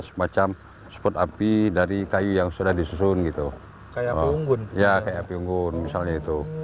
semacam spot api dari kayu yang sudah disusun gitu kayak unggun ya kayak unggun misalnya itu